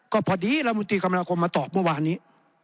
ก็พอดีลำดีคำนาคมมาตอบเมื่อวานนี้